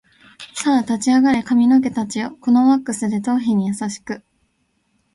さあ立ち上がれ髪の毛たちよ、このワックスで頭皮に優しく